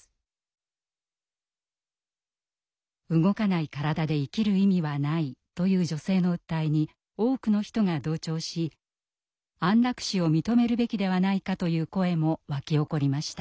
「動かない身体で生きる意味はない」という女性の訴えに多くの人が同調し安楽死を認めるべきではないかという声も沸き起こりました。